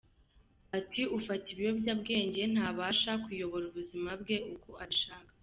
Ati “Ufata ibiyobyabwenge ntabasha kuyobora ubuzima bwe uko abishaka.